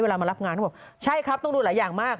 มารับงานเขาบอกใช่ครับต้องดูหลายอย่างมาก